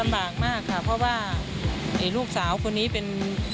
บากมากค่ะเพราะว่าลูกสาวคนนี้เป็น